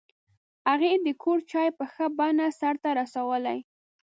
هغې د کور چارې په ښه بڼه سرته رسولې